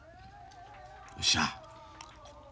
よっしゃ。